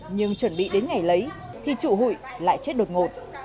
nhưng chuẩn bị đến ngày lấy thì trụ hụi lại chết đột ngột